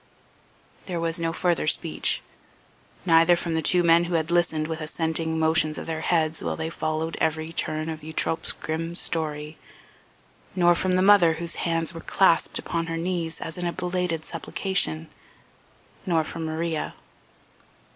There was no further speech; neither from the two men who had listened with assenting motions of their heads while they followed every turn of Eutrope's grim story; nor from the mother whose hands were clasped upon her knees, as in a belated supplication; nor from Maria